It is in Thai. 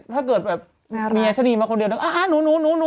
ถ้าเกิดแบบเมียชะนีมาคนเดียวนึกว่าอ่านู้นู้